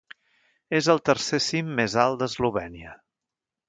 És el tercer cim més alt d'Eslovènia.